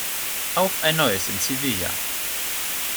Auf ein Neues in Sevilla.